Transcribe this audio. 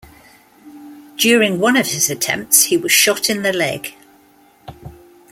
During one of his attempts he was shot in the leg.